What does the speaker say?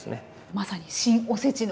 まさに「シン・おせち」の。